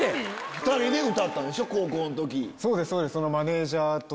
２人で歌ったんでしょ高校の時。